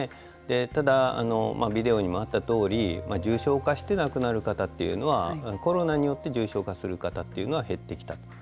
ただ、ビデオにもあったとおり重症化して亡くなる方というのはコロナによって重症化する方というのは減ってきたと。